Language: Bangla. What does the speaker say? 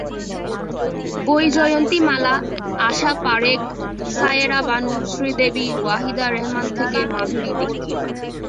বৈজয়ন্তী মালা, আশা পারেখ, সায়েরা বানু, শ্রীদেবী, ওয়াহিদা রেহমান থেকে মাধুরী দীক্ষিত।